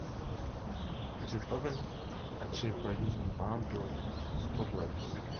It is often achieved by using barn-doored spotlights.